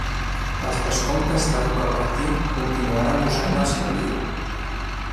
Els vescomtes de Rocabertí continuaren posseint el senyoriu.